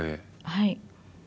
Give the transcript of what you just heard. はい。